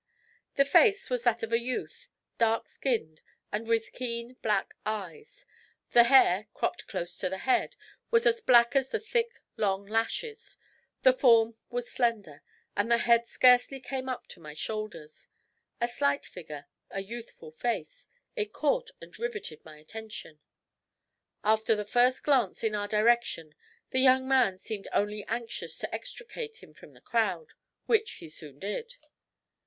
The face was that of a youth, dark skinned, and with keen black eyes; the hair, cropped close to the head, was as black as the thick, long lashes; the form was slender, and the head scarcely came up to my shoulders; a slight figure, a youthful face, it caught and riveted my attention. After the first glance in our direction, the young man seemed only anxious to extricate himself from the crowd, which he soon did.